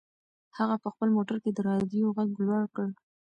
هغه په خپل موټر کې د رادیو غږ لوړ کړ.